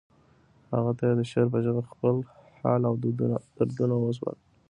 هغه ته یې د شعر په ژبه خپل حال او دردونه وسپړل